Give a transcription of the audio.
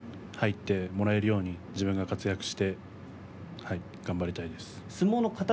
種子島からまた相撲界に入ってもらえるように自分が活躍して頑張りたいです。